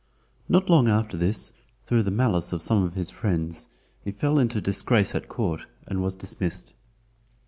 Not long after this, through the malice of some of his friends, he fell into disgrace at Court and was dismissed.